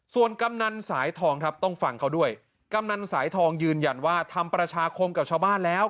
ส่วนกำนันสายทองครับต้องฟังเขาด้วยกำนันสายทองยืนยันว่าทำประชาคมกับชาวบ้านแล้ว